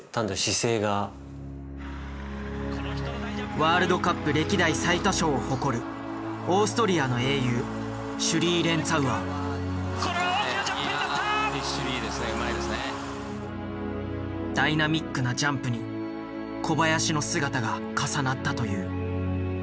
ワールドカップ歴代最多勝を誇るオーストリアの英雄ダイナミックなジャンプに小林の姿が重なったという。